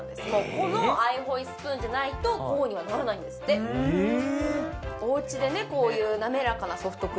このアイホイスプーンじゃないとこうにはならないんですってええ